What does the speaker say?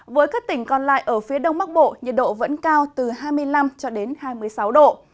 với các tỉnh còn lại ở phía đông bắc bộ nhiệt độ vẫn cao từ hai mươi năm hai mươi sáu độ